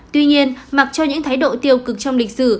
tuy nhiên mặc cho những thái độ tiêu cực trong lịch sử